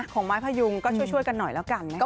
ของไม้พยุงก็ช่วยกันหน่อยแล้วกันนะคะ